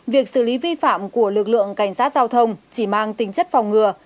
việc xử lý vi phạm của lực lượng cảnh sát giao thông chỉ mang tính chất phòng ngừa